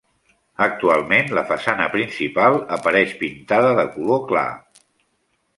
Actualment la façana principal apareix pintada de color clar.